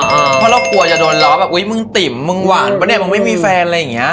เพราะเรากลัวจะโดนล้อแบบอุ๊ยมึงติ๋มมึงหวานปะเนี่ยมึงไม่มีแฟนอะไรอย่างนี้